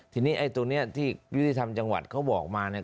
ทีนี้ไอ้ตัวนี้ที่ยุติธรรมจังหวัดเขาบอกมาเนี่ย